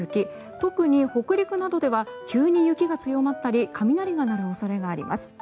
特に北陸などでは急に雪が強まったり雷が鳴る恐れがあります。